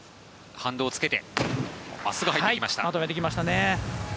反動をつけてまっすぐ入っていきました。